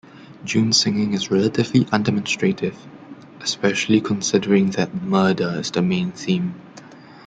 June's singing is relatively undemonstrative, especially considering that murder is the main theme.